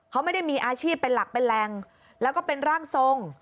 เขาไม่ได้มีอาชีพเป็นหลักเป็นแหล่งแล้วก็เป็นร่างทรง